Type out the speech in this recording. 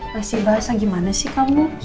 masih basah gimana sih kamu